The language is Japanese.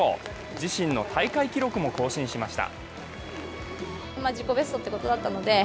自身の大会記録も更新しました。